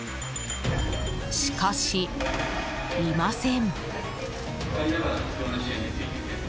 しかし、いません。